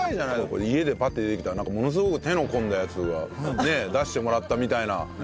これ家でパッて出てきたらなんかものすごく手の込んだやつが出してもらったみたいなね。